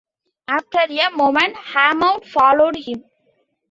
After a moment Hammond followed him.